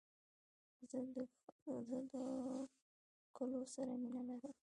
زه د کښلو سره مینه لرم.